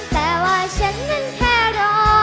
แต่ว่าฉันนั้นแค่รอ